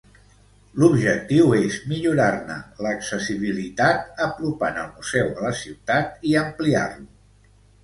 L'objectiu és millorar-ne l'accessibilitat apropant el museu a la ciutat i ampliar-lo.